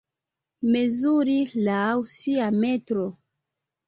Mezuri laŭ sia metro.